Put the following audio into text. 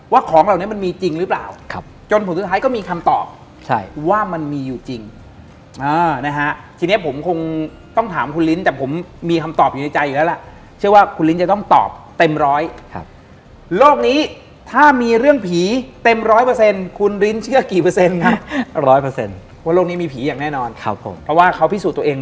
ว่าของเหล่านี้มันมีจริงหรือเปล่าจนผมสักครั้งท้ายก็มีคำตอบว่ามันมีอยู่จริง